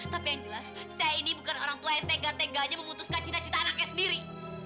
tapi yang jelas saya ini bukan orang tua yang tega teganya memutuskan cita cita anaknya sendiri